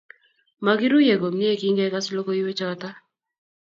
Mokiruiye komie kingekas logoiwechoto